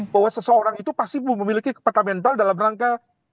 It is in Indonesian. bahwa seseorang itu pasti memiliki kata mental dalam rangka